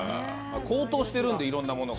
高騰しているんで、いろんなものが。